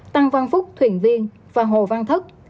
tăng văn phúc thuyền viên và hồ văn thất